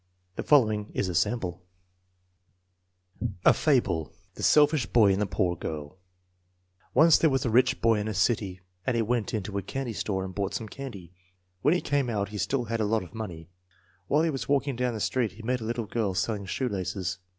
1 The following is a sample: A Fable The Selfish Boy and the Poor Girl Once there was a rich boy in a city and he went into a candy store and bought some candy. When he came out he still had a lot of money. While he was walking down the street he met a little girl selling shoe laces.